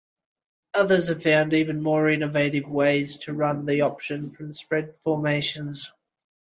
Others have found even more innovative ways to run the option from spread formations.